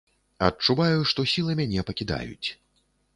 Адчуваю, што сілы мяне пакідаюць.